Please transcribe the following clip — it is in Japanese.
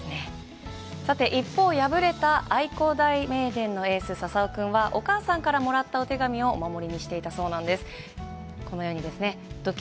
さて一方敗れた愛工大名電のエース笹尾君は、お母さんからもらったお手紙をお守りにしていたそうなんです。